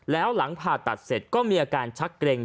แล้วหลังผ่าตัดเสร็จก็มีอาการชักเกร็ง